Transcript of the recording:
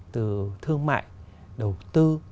từ thương mại đầu tư